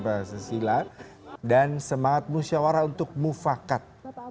bahasa silat dan semangat musyawara untuk mufakat